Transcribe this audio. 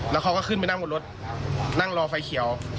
แล้วเขาก็ขึ้นไปนั่งบนรถนั่งรอไฟเขียว